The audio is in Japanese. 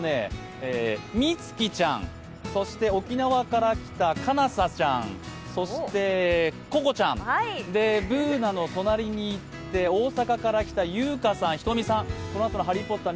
みつきちゃん、そして沖縄から来たかなさちゃん、そして、ここちゃん、そしてＢｏｏｎａの隣にいって大阪から来たゆうかさん、ひとみさん、このあとの「ハリー・ポッター」